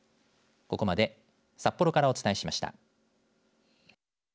ここまで札幌からお伝えしました。